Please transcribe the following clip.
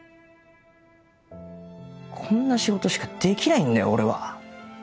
こんな仕事しかできないんだよ俺は。